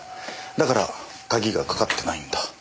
だから鍵がかかってないんだ。